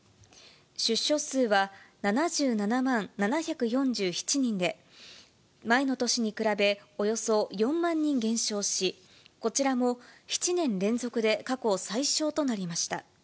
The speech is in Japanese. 出生数は７７万７４７人で、前の年に比べおよそ４万人減少し、こちらも７年連続で過去最少となりました。